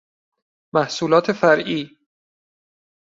محصولات فرعی